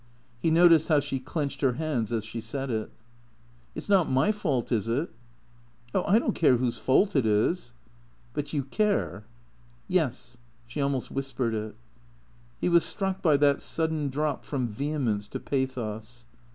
He noticed how she clenched her hands as she said it. " It 's not my fault, is it ?" "Oh — I don't care whose fault it is !"" But you care ?"" Yes." She almost whispered it. He was struck by that sudden drop from vehemence to pathos.